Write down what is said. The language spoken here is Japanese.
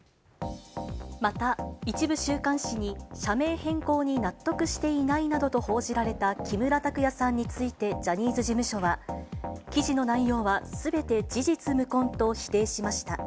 また、一部週刊誌に社名変更に納得していないなどと報じられた木村拓哉さんについてジャニーズ事務所は、記事の内容はすべて事実無根と否定しました。